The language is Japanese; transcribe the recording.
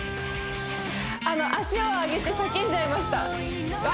足を上げて叫んじゃいました